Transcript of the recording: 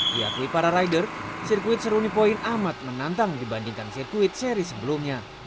di atas perjalanan sirkuit seruni point amat menantang dibandingkan sirkuit seri sebelumnya